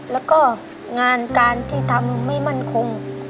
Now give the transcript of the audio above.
แล้วก็งานการที่ทำไม่มั่นคง